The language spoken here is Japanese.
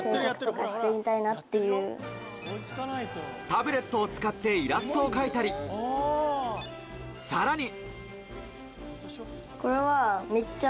タブレットを使ってイラストを描いたり、さらに。